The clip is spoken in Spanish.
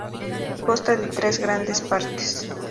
Consta de tres grandes partes.